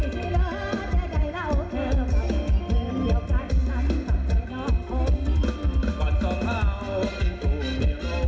ส่องเสียขออนุญาตขาท่าน